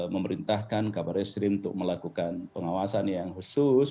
memerintahkan kabar eskrim untuk melakukan pengawasan yang khusus